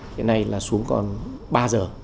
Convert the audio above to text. hiện nay là xuống còn ba giờ